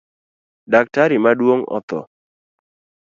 Daktari maduong otho